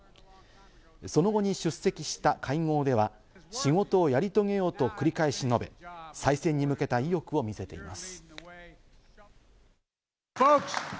その後に出席した会合では、仕事をやり遂げようと繰り返し述べ、再選に向けた意欲を見せています。